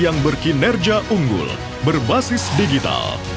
yang berkinerja unggul berbasis digital